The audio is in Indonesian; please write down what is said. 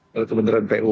dari kementerian pu